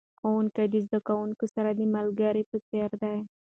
ښوونکي د زده کوونکو سره د ملګري په څیر دي.